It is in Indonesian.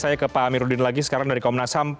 saya ke pak amiruddin lagi sekarang dari komnas ham